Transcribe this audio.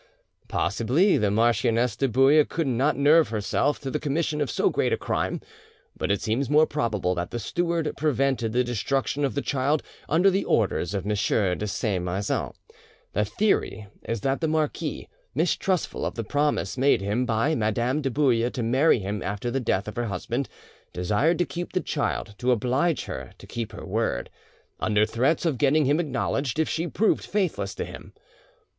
Possibly the Marchioness de Bouille could not nerve herself to the commission of so great a crime; but it seems more probable that the steward prevented the destruction of the child under the orders of M. de Saint Maixent. The theory is that the marquis, mistrustful of the promise made him by Madame de Bouille to marry him after the death of her husband, desired to keep the child to oblige her to keep her word, under threats of getting him acknowledged, if she proved faithless to him.